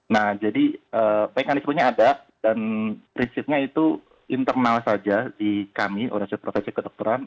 nah jadi pkni sebetulnya ada dan prinsipnya itu internal saja di kami orasip protesik ketuk turan